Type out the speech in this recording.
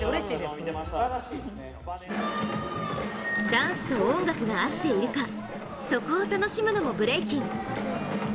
ダンスと音楽が合っているかそこを楽しむのもブレイキン。